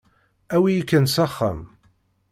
Awi-yi kan s axxam.